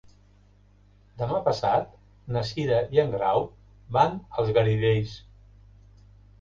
Demà passat na Cira i en Grau van als Garidells.